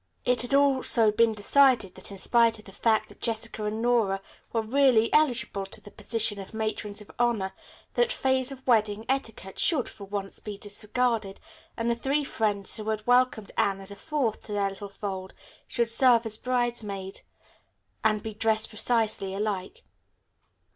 It had also been decided that in spite of the fact that Jessica and Nora were really eligible to the position of matrons of honor, that phase of wedding etiquette should, for once, be disregarded, and the three friends who had welcomed Anne as a fourth to their little fold should serve as bridesmaids and be dressed precisely alike.